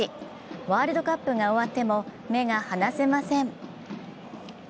ワールドカップが終わっても目が離せません。